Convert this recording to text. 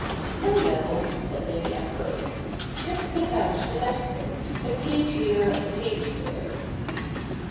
' No, no,' said Lady Ambrose. ' Just pick out the best bits — a page here, and a page there.'